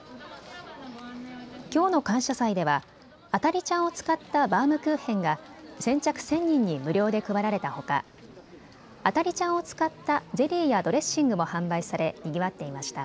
きょうの感謝祭ではあた梨ちゃんを使ったバウムクーヘンが先着１０００人に無料で配られたほかあた梨ちゃんを使ったゼリーやドレッシングも販売されにぎわっていました。